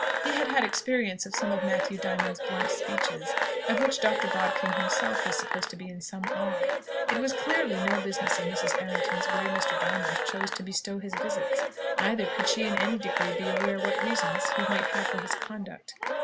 He had had experience of some of Matthew Diamond's blunt speeches, of which Dr. Bodkin himself was supposed to be in some awe. It was clearly no business of Mrs. Errington's where Mr. Diamond chose to bestow his visits; neither could she in any degree be aware what reasons he might have for his conduct.